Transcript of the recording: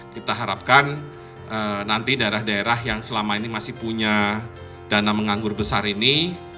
kita harapkan nanti daerah daerah yang selama ini masih punya dana menganggur besar ini